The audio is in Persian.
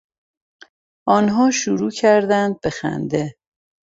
آنها شروع کردند به خنده.